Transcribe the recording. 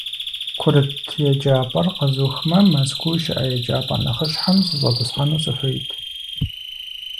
Курыт еджапӀэр къэзухмэ, Мэзкуу щыӀэ еджапӏэ нэхъыщхьэм сыщӏэтӏысхьэну сыхуейт.